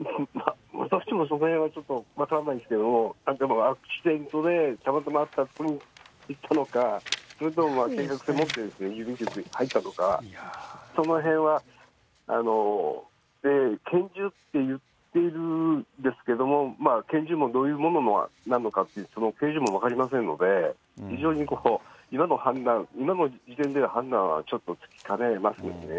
私としてもそのへんはちょっと分からないんですけど、アクシデントでたまたまあった所に行ったのか、それとも計画性を持って郵便局に入ったのか、そのへんは拳銃って言ってるんですけども、拳銃もどういうものなのかって、形状も分かりませんので、非常に今の判断、今の時点での判断はちょっとしかねますね。